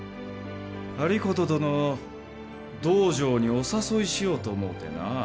有功殿を道場にお誘いしようと思うてな。